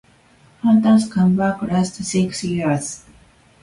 Hunter's comeback lasted six years.